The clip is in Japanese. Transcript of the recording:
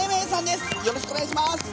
よろしくお願いします。